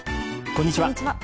こんにちは。